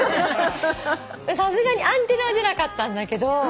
さすがにアンテナは出なかったんだけど。